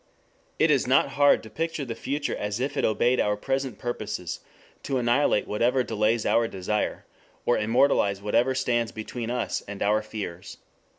It is hard not to picture the future as if it obeyed our present purposes, to annihilate whatever delays our desire, or immortalize whatever stands between us and our fears.